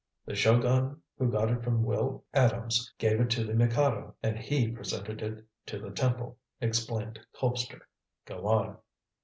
"The Shogun, who got it from Will Adams, gave it to the Mikado, and he presented it to the temple," explained Colpster. "Go on."